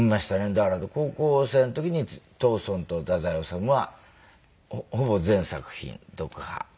だから高校生の時に藤村と太宰治はほぼ全作品読破しましたね。